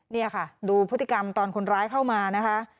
นี่ค่ะดูพฤติกรรมตอนคนร้ายเข้ามานะคะ